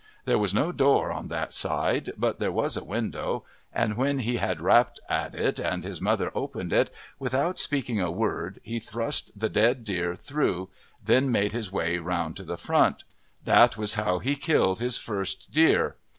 There was no door on that side, but there was a window, and when he had rapped at it and his mother opened it, without speaking a word he thrust the dead deer through, then made his way round to the front. That was how he killed his first deer.